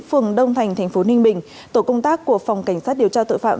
phường đông thành thành phố ninh bình tổ công tác của phòng cảnh sát điều tra tội phạm